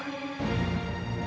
kamu harus meminum dari kaki